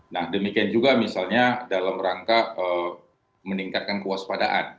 nah demikian juga misalnya dalam rangka meningkatkan kewaspadaan